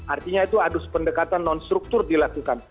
artinya itu adus pendekatan non struktur dilakukan